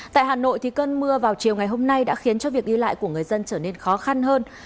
tại hà nội cơn mưa vào chiều ngày hôm nay đã khiến cho việc đi lại của người dân trở nên khó khăn hơn